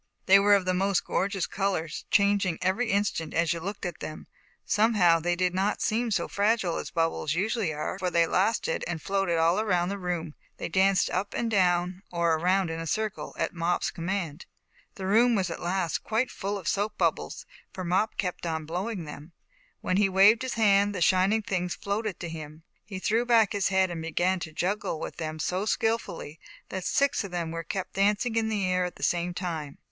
o They were of the most gorgeous uors, changing every instant as you looked at them. Somehow they did not seem so fragile as bubbles usually are, o ^^^ j i for they lasted and floated all around ZAUBERLINDA, THE WISE WITCH. 163 the room; they danced up and down or around in a circle, at Mop's com mand. The room at last was quite full of soap bubbles, for Mop kept on blowing them. When he waved his hand, the shining things floated to him. He threw back his head and began to juggle with them so skillfully, that six of them were kept dancing in the air at the same time.